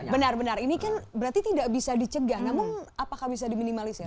benar benar ini kan berarti tidak bisa dicegah namun apakah bisa diminimalisir